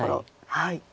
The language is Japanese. はい。